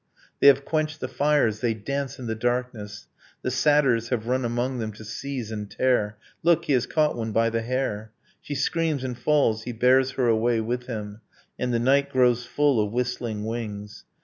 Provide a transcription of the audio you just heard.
They have quenched the fires, they dance in the darkness, The satyrs have run among them to seize and tear, Look! he has caught one by the hair, She screams and falls, he bears her away with him, And the night grows full of whistling wings.